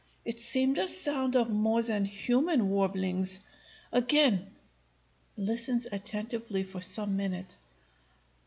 it seemed a sound of more than human warblings. Again [listens attentively for some minutes].